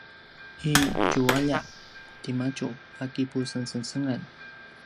i tju’alja timadju a kipusengsengsengan